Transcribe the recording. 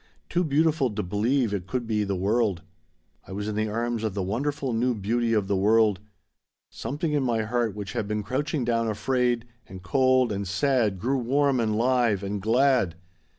Too beautiful to believe it could be the world. "I was in the arms of the wonderful new beauty of the world. Something in my heart which had been crouching down afraid and cold and sad grew warm and live and glad.